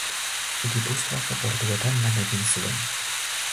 Gipuzkoako portuetan lan egin zuen.